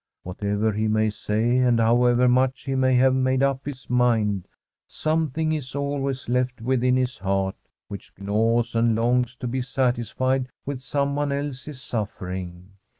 Whatever he may say, and however much he may have made up his mind, something is always left within his heart which gnaws and longs to be sat isfied with someone else's suffering.